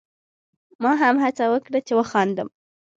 ما هم هڅه وکړه چې وخاندم.